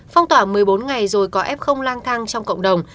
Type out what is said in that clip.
phong tỏa một mươi bốn ngày rồi có f lang thang trong cộng đồng